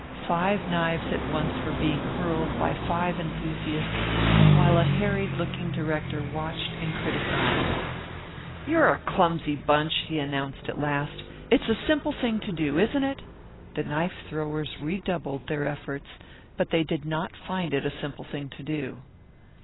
Five knives at once were being hurled by five enthusiasts, while a harried looking director watched and criticised. "You're a clumsy bunch," he announced at last. "It's a simple thing to do, isn't it?" The knife throwers redoubled their efforts, but they did not find it a simple thing to do.